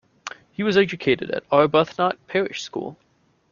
He was educated at Arbuthnott Parish School.